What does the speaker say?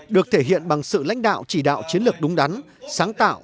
được thể hiện bằng sự lãnh đạo chỉ đạo chiến lược đúng đắn sáng tạo